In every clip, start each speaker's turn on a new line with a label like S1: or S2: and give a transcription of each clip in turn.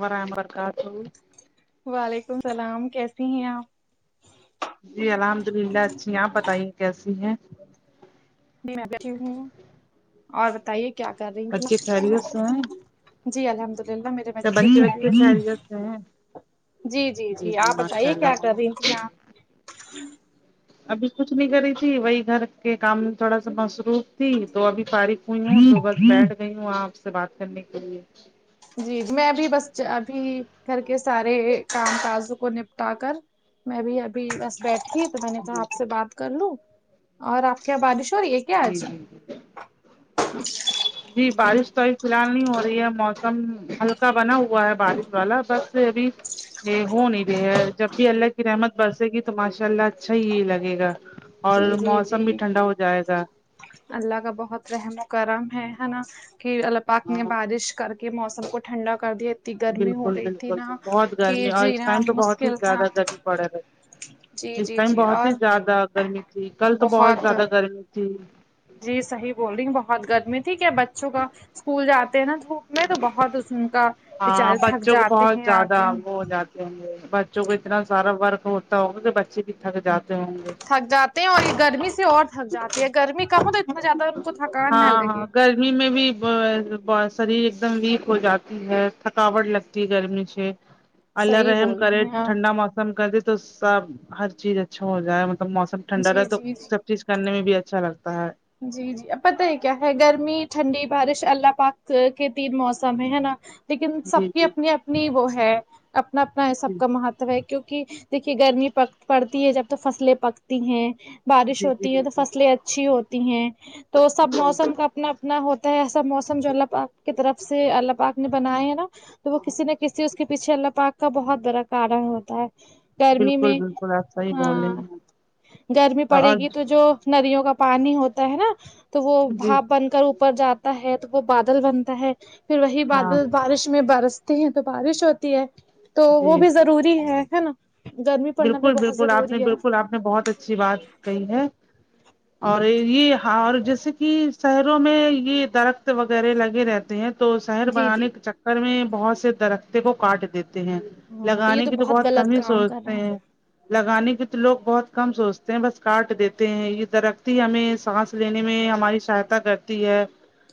S1: براببر کا تھا
S2: وعلیکم السلام کیسی ہیں آپ
S1: جی الحمد اللہ اچھی ہیں آپ بتائیے کیسی ہیں
S2: میں بھی ٹھیک ہوں اور بتائیے کیا کر رہی
S1: بچے
S2: تھی
S1: خیریت سو ہیں
S2: جی الحمد اللہ میرے
S1: سب بچے وچے خیریت سے ہے
S2: جی جی جی آپ بتائیے کیا
S1: اللہ
S2: کر رہی تھی یہاں
S1: ابھی کچھ نہیں کری تھی وہی گھر کے کام تھوڑا سا مصروف تھی تو ابھی فارخ صبح بیٹھ گئی ہوں آپ سے بات کرنے کے لیے
S2: جی میں بھی بس ابھی گھر کے سارے کام کاجوں کو نپٹا کر میں بھی ابھی بس بیٹھی بنے تو
S1: جی
S2: آپ سے بات کر لوں اور آپ کے یہاں بارش ہو رہی ہے کیا
S1: جی
S2: آج
S1: جی جی بارش تو اب فی الحال نہیں ہو رہی ہے موسم ہلکا بنا ہوا ہے بارش والا بس بھی یہ ہو نہیں رہے ہے جب بھی اللہ کی رحمت برسے گی تو ماشاء اللہ اچھا ہی لگے گا اور
S2: جی جی
S1: موسم بھی
S2: جی
S1: ٹھنڈا ہو جائے گا
S2: اللہ کا بہت رحم و کرم ہے ہے نا کہ اللہ پاک نے
S1: ہاں
S2: بارش کر کے کے موسم کو ٹھنڈا کر دیا اتنی گرمی ہو
S1: بالکل
S2: رہی تھی
S1: بالکلل
S2: نا
S1: بہت
S2: کہ
S1: گرمی اور
S2: جی
S1: اس
S2: نا
S1: ٹائم تو بہت ہی
S2: مشکل تھا
S1: زیادہ گرمی پڑ
S2: جی
S1: رہی اس
S2: جی
S1: ٹائم
S2: جی
S1: بہت
S2: اور
S1: ہی زیادہ گرمی تھی کل تو بہت زیادہ گرمی تھی
S2: جی صحیح بول رہی بہت گرد میں ٹھیک ہے بچوں کا اسکول جاتے ہیں نا دھوپ میں تو بہت کا
S1: ہاں
S2: بچارے تھک
S1: بچوں کو
S2: جاتے
S1: بہت
S2: ہیں آ
S1: زیادہ
S2: کے
S1: وہ ہو جاتا بچوں کو اتنا سارا ورک ہوتا ہوگا کہ بچے بھی تھک جاتے ہوں گے
S2: تھک جاتے اور یہ گرمی سے اور تھک جاتی ہے گرمی کہو تو اتنا زیادہ ان کو تھکان نہ
S1: ہاں ہاں
S2: لگے
S1: گرمی میں بھی شریر ایک دم ویک ہو جاتی ہے تھکاوٹ لگتی ہے گرمی سے اللہ
S2: صحیح
S1: رحم
S2: بول
S1: کرے
S2: رہی ہیں آپ
S1: ٹھنڈا موسم کر دے تو سب ہر چیز اچھا ہو جائے مطلب موسم سب ٹھنڈا
S2: جی
S1: رہے تو
S2: جی جی
S1: سب چیز کرنے میں بھی اچھا لگتا ہے
S2: جی جی اب پتہ ہے کیا ہے گرمی ٹھنڈی بارش اللہ پاک کے تین موسم ہے ہے نا لیکن
S1: جی
S2: سب کی
S1: جی
S2: اپنی اپنی وہ ہے
S1: جی
S2: کیونکہ دیکھیے گرمی پک پڑتی ہے جب توک فصلیں پکتی ہیں بارش
S1: جی
S2: ہوتی ہے تو
S1: جی
S2: فصلیں اچھی ہوتی ہیں تو سب
S1: بالکل جی
S2: موسم کا اپنا اپنا ہوتا ہے ایسا موسم جو اللہ پاک کی طرف سے اللہ پاک نے بنائے ہیں نا تو وہ کسی نہ کسی اس کے پیچھے اللہ پاک کا بہت بڑا کارن ہوتا ہے گرمی
S1: بالکل
S2: میں
S1: بالکل آپ صحیح بول رہے
S2: ہاں
S1: ہیں
S2: گرمی پڑے
S1: اور
S2: گی تو جو ندیوں کا پانی ہوتا ہے نا تو وہ
S1: جی
S2: بھاپ بن کر اپ جاتا ہے تو وہ بادل بنتا ہے پھر وہی
S1: ہاں
S2: بادل بارش میں برس ہیں تو بارش ہوتی ہے تو
S1: جی
S2: وہ بھی
S1: جی
S2: ضروری ہے ہے نا گرمی پڑنا بھی
S1: بالکل
S2: بہت
S1: بالکل آپ نے
S2: ضروری ہے
S1: بالکل آپ نے بہت اچھی بات کہی ہے اور یہ اور جیسے کہ شہروں میں یہ درخت وغیرہ لگے رہتے ہیں تو شہر
S2: جی
S1: بنانے
S2: جی
S1: کی چکر میں بہت سارے درخت کاٹ دیتے ہیں
S2: ہاں یہ
S1: لگانے کی تو بہت کم
S2: غلط
S1: ہی
S2: کام
S1: سوچ
S2: کر رہے ہیں
S1: لگانے کی تو لوگ بہت کم سوچتے ہیں بس کاٹ دیتے ہیں یہ درخت ہی ہمیں سانس لینے میں ہماری سہایتا کرتی ہے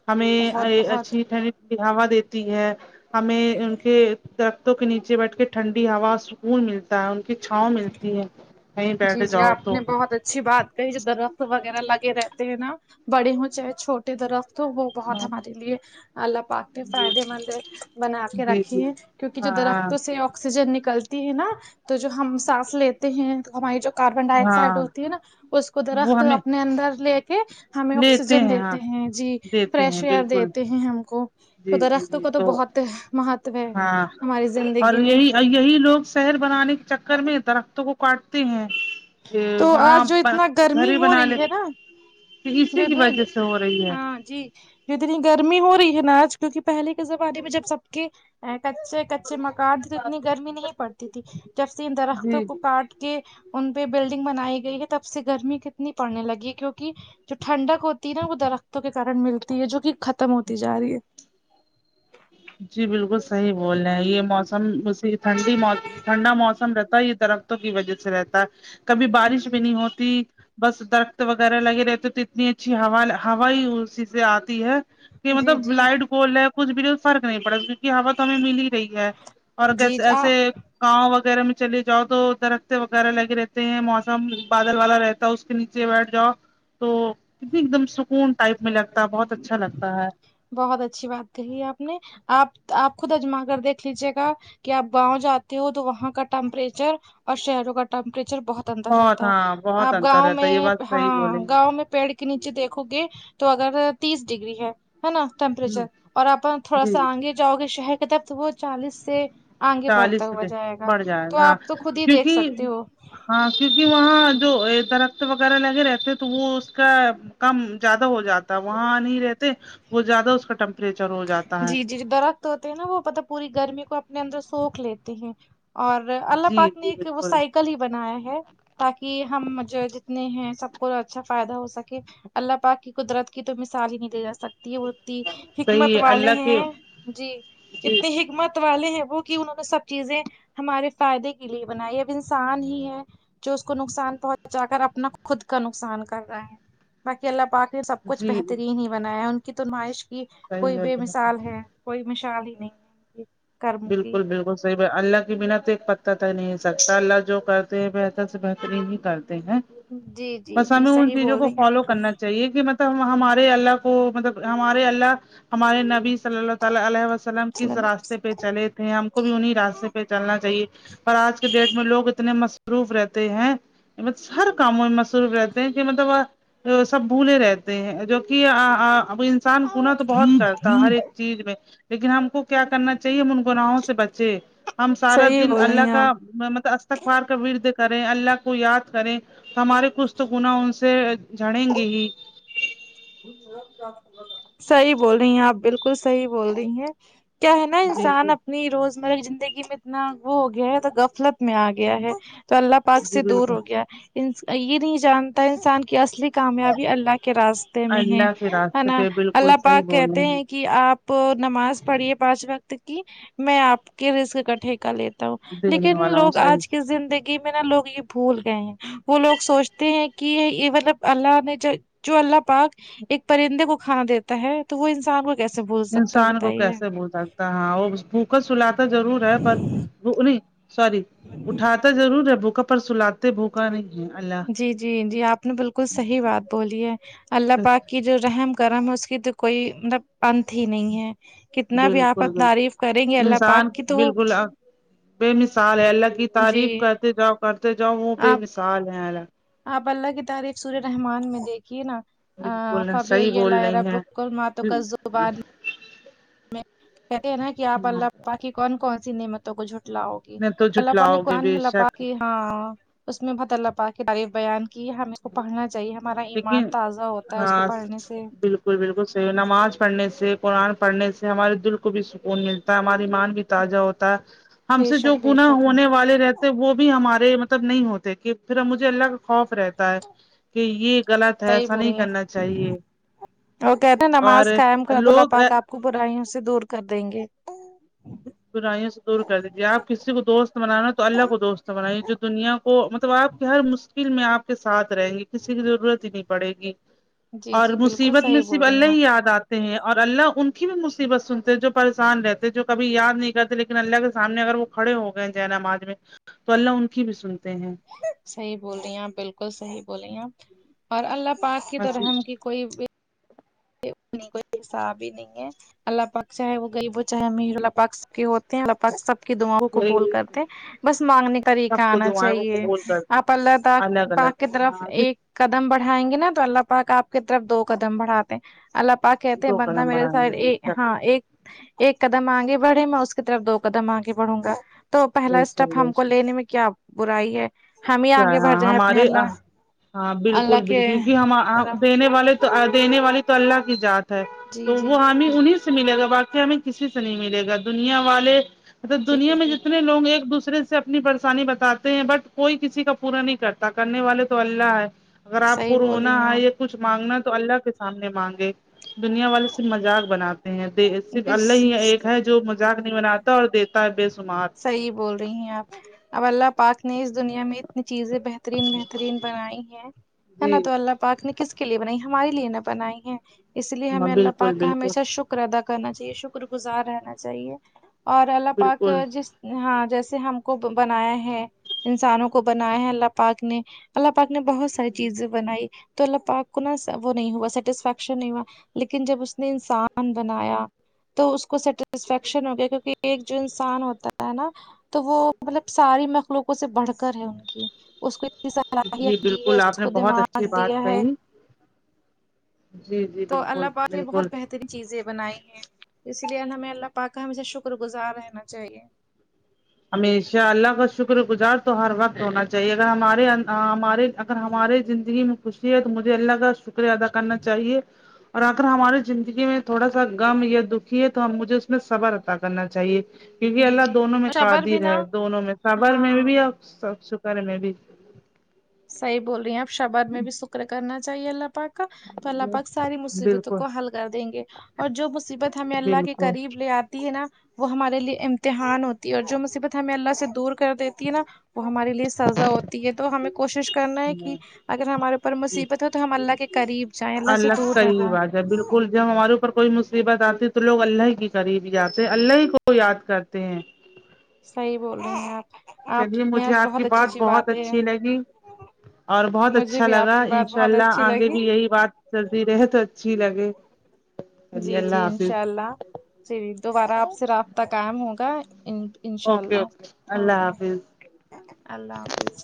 S1: ہمیں
S2: بہت بہت
S1: اچھی ٹھنڈی ہوا دیتی ہے ہمیں ان کے درختوں کے نیچے بیٹھ کے ٹھنڈی ہوا سکون ملت تا ان کی چھاؤں ملتی ہے کہیں بیٹھ
S2: جی جی
S1: جاؤ
S2: آپ نے
S1: تو
S2: بہت اچھی بات کہی جو درخت وغیرہ لگے رہتے ہیں نا بڑے ہوں یہ چاہے چھوٹے درخت تو وہ بہت ہمارے لیے اللہ پاک نے فائدے مند بنا کے
S1: جی
S2: رکھے
S1: جی
S2: ہیں کیونکہ جو
S1: ہاں
S2: درختوں سے آکسیجن نکلتی ہے نا تو جو ہم سانس لیتے ہیں تو ہمارے جو کاربن ڈائی آکسائڈ
S1: ہاں
S2: ہوتی ہے نا اس کو
S1: وہ
S2: درخت
S1: ہمیں
S2: اپنے اندر لے کے ہمیں
S1: لیتے
S2: آکسیجن
S1: ہاں
S2: دیتے ہیں جی
S1: دیتے
S2: فریش
S1: ہیں
S2: ایئر
S1: بالکل
S2: دیتے ہیں ہم کو تو
S1: جی جی
S2: درخت
S1: جی
S2: کا تو بہت مہتو ہے
S1: ہاں
S2: ہماری
S1: اور
S2: زندگی میں
S1: یہی یہی لوگ شہر بنانے کے چکر میں درختوں کو کاٹتے ہیں
S2: تو آج
S1: وہاں
S2: جو اتنا گرمی
S1: گھر
S2: ہو
S1: بنا
S2: رہی
S1: لے
S2: ہے نا
S1: اسی کی
S2: جتنی
S1: وجہ سے ہو رہی ہے
S2: ہاں جی اتنی گرمی ہو رہی ہے نا آج کیونکہ پہلے کے زمانے میں جب سب کے کچے کچے مکان تھے اتنی گرمی نہیں پڑتی تھی جب سے ان درختوں
S1: جی
S2: کو
S1: جی
S2: کاٹ کے ان پہ بلڈنگ بنائی گئی ہے تب سے گرمی کتنی پڑنے لگی ہے کیونکہ جو ٹھنڈک ہوتی ہے نا وہ درختوں کے کارن ملتی ہے جو کہ ختم ہوتی جا رہی ہے
S1: جی بالکل صحیح بول رہے ہیں یہ موسم اسی ٹھنڈی ٹھنڈا موسم رہتا یہ درختوں کی وجہ سے رہتا ہے کبھی بارش بھی نہیں ہوتی بس درخت وغیرہ لگےہوتے ہے ہوا ہی ان سے اتنی اچھی آتی ہیں کہ
S2: جی جی
S1: مطلب
S2: جی
S1: لائٹ کول ہے کچھ بھی فرق نہیں پڑا کیونکہ ہوا تو ہمیں مل ہی رہی ہے اور
S2: جی
S1: کیسے
S2: آ
S1: ایسے گاؤں وغیرہ میں چلے جاؤ تو درقتے وغیرہ لگے رہتے ہیں موسم بادل والا رہتا اس کے نیچے بیٹھ جاؤ تو کتنی ایک دم سکون ٹائپ میں لگتا ہے بہت اچھا لگتا ہے
S2: بہت اچھی بات کہی آپ نے آپ آپ خود اجما کر دیکھ لیجیے گا کہ آپ گاؤں جاتے ہو تو وہاں کا ٹیمپریچر اور شہروں کا ٹیمپریچر بہت ٹھنڈا رہتا ہے
S1: ہاں بہت
S2: آپ
S1: انتر
S2: گاؤں
S1: رہتا ہے یہ
S2: میں
S1: بات صحیح بولے
S2: ہاں گاؤں پیڑ کے نیچے دیکھو گے تو اگر تیس ڈگری ہیں ہیں نا ٹیمپریچر
S1: ہ
S2: اور اپن تھوڑا
S1: جی
S2: سا آنگے جاؤ گے شہر کے طرف تو وہ چالیس سے آنگے
S1: چالیس
S2: بڑھتا ہوا
S1: سے
S2: جائے گا
S1: بڑھ جائے
S2: تو
S1: گا ہاں
S2: آپ تو خود ہی دیکھ
S1: کیونکہ
S2: سکتے ہو
S1: ہاں کیونکہ وہاں جو درخت وغیرہ لگے رہتے تو وہ اس کا کم زیادہ ہو جاتا ہے وہاں نہیں رہتے وہ زیادہ اس کا ٹم ٹمپریچر جاتا ہے
S2: جی جی جو درخت ہوتے ہیں نہ وہ پت پوری گرمی کو اپنے اندر سوکھ لیتے ہیں اور اللہ
S1: جی
S2: پاک نے
S1: جی
S2: ایک وہ
S1: بالکل
S2: سائیکل ہی بنایا ہے تاکہ ہم جو جتنے ہیں سب کو اچھا فائدہ ہو سکے اللہ پاک کی قدرت کی تو مثال ہی نہیں دی جا سکتی ہے وہ دی حکمت
S1: صحیح ہے
S2: والے
S1: اللہ
S2: ہیں
S1: کے
S2: جی
S1: جی
S2: اتنے حکمت والے ہیں وہ کہ انہوں نے سب چیزیں ہمارے فائدے کے لیےہی بنائی ہے اب انسان ہی ہے جو اس کو نقصان پہنچا کر اپنا خود کا نقصان کر رہے ہیں باقی اللہ پاک نے سب کچھ
S1: جی
S2: بہترین ہی بنایا ہے ان کی نمائش کی کوئی
S1: صحیح ہے
S2: بے مثال ہے کوئی مثال ہی نہیں کرم کی
S1: بالکل بالکل صی اللہ کے بنا تو ایک پتا تک نہیں ہل سکتا اللہ جو کرتے ہیں بہتر سے بہترین ہی کرتے ہیں
S2: جی جی
S1: بس
S2: جی
S1: ہمیں ان
S2: صحیح
S1: چیزوں
S2: بول
S1: کو
S2: رہی ہیں
S1: فالو کرنا چاہیے کہ مط ہمارے اللہ کو مطلب ہمارے اللہ ہمارے نبی صلی اللہ تعالی علیہ وسلم کس
S2: آپ
S1: راستے پہ چلے تھے ہم کو بھی انہیں راستے پہ چلنا چاہیے پر آج کے ڈیٹ میں لوگ اتنے مصروف رہتے ہیں ب ہر کاموں میں مصروف رہتے ہیں کہ مطلب سب بھولے رہتے ہیں جو که ا ا ب ا نسان گناه تو بہت کرتا ہر ایک چیز میں لیکن ہم کو کیا کرنا چاہیے ہم ان گناہوں سے بچے ہم سارا
S2: صحیح
S1: دن
S2: بول رہی
S1: اللہ
S2: ہیں
S1: کا
S2: آپ
S1: م مطلب استغفار کا ورد کریں اللہ کو یاد کریں ہمارے کچھ تو گناہ ان سے جھڑ یں گے ہی
S2: صحیح بول رہی ہیں آپ بالکل صحیح بول رہی ہیں کیا ہے نہ
S1: جی
S2: انسان
S1: جی
S2: اپنی روز مگر زندگی میں اتنا وہ ہو گیا ہے تو غفلت میں آ گیا ہے تو اللہ پاک سے
S1: جی
S2: دور
S1: بالکل
S2: ہو گیا یہ نہیں جانتا انسان کی اصلی کامیابی اللہ کے راس تے میں ہے
S1: اللہ کے
S2: ہے
S1: راستے
S2: نہ
S1: پہ بالکل
S2: اللہ
S1: صحیح
S2: پاک
S1: بول رہے
S2: کہتے ہیں کہ آپ نماز پڑھیے پانچ وقت کی میں آپ کے رزق اکٹھے کر لے تا ہوں
S1: دینے
S2: لیکن
S1: والا ہوں
S2: لوگ
S1: صحیح
S2: آج کی زندگی میں نہ لوگ یہ بھول گئے ہی وہ لوگ سوچتے ہیں کہ یہ مطلب اللہ نے جوجو اللہ پاک ایک پرندے کو کھانا دیتا ہے تو وہ انسان کو کیسے بھول سکتا ہے
S1: انسان کو
S2: بتائیے
S1: کیسے بھول سکتا ہے ہاں وہ اس بھوکا سلاتا ضرور ہے پر ا نہیں سوری اٹھاتے ضرور ہے بھوکا پر سلاتے بھوکا نہیں جی اللہ
S2: جی جی جی آپ نے بالکل صحیح بات بولی ہے اللہ پاک کی جو رحم کر م ہے اس کی تو کوئی مطلب ا نت ہی نہیں ہے کتنا بھی آپ
S1: بالکل بالکل
S2: تعریف کریں گے اللہ
S1: انسان
S2: پاک کی تو
S1: بالکل بے مثال ہے اللہ کی
S2: جی
S1: تعریف کرتے جاؤ کرتے جاؤ وہ بے
S2: آپ
S1: مثال ہے اللہ
S2: آپ اللہ کی تعریف سورہ رحمن میں دیکھیے نہ
S1: بالکل
S2: فبی آئ
S1: صحیح بول
S2: اعلی
S1: رہی ہیں
S2: ربیکما ٹکازبان کہتے ہیں نا کہ آپ
S1: ہاں
S2: اللہ پاک کی کون کون سی نعمتوں کو جھٹ لاؤ
S1: نہ تو
S2: اللہ پا نے
S1: جھٹلاؤ گے
S2: قرآن
S1: بے
S2: میں اللہ پاک
S1: شک
S2: کی ہاں اس میں بہت اللہ پا کے تعریف بیان کہ ہمیں اس کو پڑھنا چاہیئے ہمارا ایمان
S1: لیکن
S2: تازہ ہوتا ہے اس کو
S1: ہاں
S2: پڑھنے سے
S1: بالکل بالکل صحیح نماز پڑھنے سے قرآن پڑھنے سے ہمارے دل کو بھی سکون مل تا ہے ہماری مان بھی تازہ ہوتا ہے ہم
S2: بے
S1: سے جو
S2: شک بے
S1: گناہ
S2: شک
S1: ہونے والے رہت وہ بھی ہمارے مطلب نہیں ہوتے کہ پھر ہم مجھے اللہ کا خوف رہتے کہ یہ غلط ہے
S2: صحیح
S1: ایسا
S2: بول
S1: نہیں
S2: رہی ہیں
S1: کرنا چاہیے
S2: اور کہتے ہیں
S1: اور
S2: نماز قائم کرد اللہ
S1: لوگ
S2: پاک آپ کو برائیوں سے دور کر دیں گے اک [inaudible]
S1: برایوں سے دور کر دیجیے آپ کسی کو دوست بنانا تو اللہ کو دوست بنائیے جو دنیا کو مطلب آپ کے ہر فل میں آپ کے ساتھ رہیں گی کسی کی ضرورت ہی نہیں پڑے گی
S2: جی
S1: اور
S2: جی بالکل
S1: مصیبت میں
S2: صحیح
S1: صرف
S2: بول رہی ہیں
S1: اللہ ہی
S2: آپ
S1: یاد آتا ہیں اور اللہ ان کی بھی مصیبت سنتے ہیں جو پریشان رہتے جو کبھی یاد نہیں کرتے لیکن اللہ کے سامنے اگر وہ کھڑے ہو گئے ہیں ج نماز میں تو اللہ ان کی بھی سنتے ہیں
S2: صحیح بول رہی ہیں بالکل صحیح بولیں ہیں اور اللہ پاک کی تو
S1: بس
S2: رحم کی کوئی بھی کوئی حساب بھی نہیں ہے اللہ پاک چاہے وہ غریب ہو چاہے امیر اللہ پاک سب کے ہوتے ہیں اللہ پاک سب کی دعاوں کو
S1: وہی
S2: بول کرتے بس مانگنے طریقہ
S1: سب کو
S2: آنا
S1: دعائیں کو
S2: چاہیے
S1: قبول کر
S2: آپ اللہ
S1: الگ
S2: پاک
S1: الگ
S2: کی طرف
S1: ہاں
S2: ایک قدم بڑھائیں گے نا تو اللہ پاک آپ کی طرف دو قدم بڑھاتے اللہ پاک کہتے ہیں
S1: دو
S2: بندہ
S1: قدم
S2: میرے
S1: بڑھائیں گے بے
S2: س
S1: شک
S2: ہاں ایک ایک قدم آگے بڑھے میں اس کی طرف دو قدم آگے بڑھوں گا تو پہلا
S1: بے شک
S2: اسٹیپ ہم
S1: بے
S2: کو
S1: شک
S2: لینے میں کیا برائی ہے ہم ہی
S1: کیا
S2: آگے بڑھ
S1: ہاں
S2: جائیں اپنے
S1: ہمارے
S2: اللہ
S1: ہاں
S2: اللہ
S1: بالکل
S2: کے
S1: بالکل ہم
S2: طرف
S1: دینے والے دینے والی تو اللہ کی ذات ہے
S2: جی
S1: تو
S2: جی
S1: وہ ہمیں انیس سے ملے گا واقع ہمیں کسی سے نہیں ملے گا دنیا والے مطلب
S2: جی
S1: دنیا میں
S2: جی
S1: جتنے لوگ ایک دوسرے سے اپنی پریشانی بتاتے ہیں بٹ کوئی کسی کا پورا نہیں کرتا کرنے والے تو اللہ ہے اگر آپ
S2: صحیح
S1: کو
S2: بول رہی
S1: رونا
S2: ہیں آپ
S1: آے کچھ مانگنا تو اللہ کے سامنے مانگے دنیا والے سے مذاق بناتا صرف
S2: جی
S1: اللہ ہی ایک ہے جو مذاق نہیں بناتا اور دیتا ہے بے شمار
S2: صحیح بول رہی ہیں آپ اب اللہ پاک نے اس دنیا میں اتنی چیزیں بہت ترین بہترین بنائی ہے نا
S1: جی
S2: تو اللہ پاک نے کس کے لیے بنائی ہمارے لیے نہ بنائی ہے اس لیے ہمیں اللہ
S1: بالکل
S2: پاک کا
S1: بالکل
S2: ہمیشہ شکر شکر ادا کرنا چاہیے شکر گزار رہنا چاہیے اور اللہ پاک
S1: بالکل
S2: جس ہاں جیسے ہم کو بنایا ہے انسانوں کو بنایا ہے اللہ پاک نے اللہ پاک نے بہت ساری چیزیں بنائی تو اللہ پاک کو نا وہ نہیں ہوا سیٹسفیکشن نہیں ہوا لیکن جب اس نے انسان بنایا تو اس کو سیٹسفیکشن ہو گیا کیونکہ ایک جو انسان ہوتا ہے نا تو وہ مطلب ساری مخلوقوں سے بڑھ کر ہے ان کی اس کو کی
S1: جی
S2: صلاحیت دی ہے
S1: بالکل آپ
S2: اس
S1: نے
S2: کو
S1: بہت اچھی
S2: دماغ
S1: بات
S2: دیا ہے
S1: کہی جی جی
S2: تو
S1: بالکل
S2: اللہ پاک بہت
S1: بالکل
S2: بہتر اتنی چیزیں بنائی ہیں اسی لیے ہمیں اللہ پاک کا ہمیشہ شکر گزار رہنا چاہیے
S1: ہمیشہ اللہ کا شکر گزار تو ہر وقت ہونا چاہیے اگر ہمارے ہمارے اگر ہمارے زندگی میں خوشی ہے تو مجھے اللہ کا شکریہ ادا کرنا چاہیے اور اگر ہماری زندگی میں تھوڑا سا غم یا دکھی ہے تو ہم مجھے اس میں صبر عطا کرنا چاہیے کیونکہ
S2: جی
S1: اللہ
S2: جی
S1: دونوں میں
S2: صبر بھی
S1: قادر ہے
S2: نا
S1: دونوں میں صبر میں
S2: ہاں
S1: بھی اور شکر میں بھی
S2: صحیح بول رہی ہیں آپ صبر میں بھی شکر کرنا چاہیے اللہ پاک تو الله پاک ساری مصیبتوں
S1: بالکل
S2: کو حل کر دیں گے اور جو مصیبت ہمیں اللہ کے
S1: بالکل
S2: قریب لے آتی ہے نا وہ ہمارے لیے امتحان ہوتی ہے اور جو مصیبت ہمیں اللہ سے دور کر دیتی ہے نا وہ ہمارے لیے سزا ہوتی ہے تو ہمیں کوشش کرنا ہے کہ اگر ہمارے اوپر مصیبت ہو تو ہم اللہ کے قریب جائیں اللہ سے دور نہ جائیں
S1: پ جب ہمارے اوپر کوئی مصیبت آتی ہے تو لوگ اللہ کے قریب جاتے ہیں اللہ کو یاد کرتے ہیں
S2: صحیح بول رہے ہیں آپ
S1: چلیے
S2: نے
S1: مجھے
S2: آج
S1: آپ کی
S2: بہت اچھی
S1: بات
S2: اچھی
S1: بہت
S2: باتیں
S1: اچھی لگی اور بہت
S2: مجھے
S1: اچھا
S2: بھی آپ
S1: لگا
S2: کی
S1: ان
S2: بات
S1: شاء
S2: بہت
S1: اللہ
S2: اچھی
S1: آگے
S2: لگی
S1: بھی یہی بات چلتی رہے تو اچھی لگے
S2: جی
S1: چلیے اللہ
S2: جی
S1: حافظ
S2: انشاء اللہ جی دوبارہ آپ سے رابطہ قائم ہوگا ان انشاء
S1: اوکے اوکے اللہ
S2: آمین
S1: حافظ
S2: اللہ حافظ